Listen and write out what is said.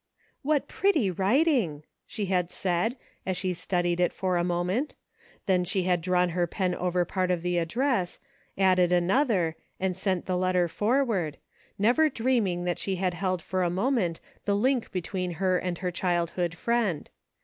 " What pretty writing,'' she had said, as she studied it for a moment ; then she had drawn her pen over part of the address, added another, and sent the letter forward, never dreaming that she had held for a moment the link between her and her childhood friend.